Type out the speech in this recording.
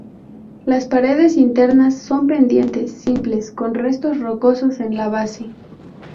Las paredes internas son pendientes simples, con restos rocosos en la base.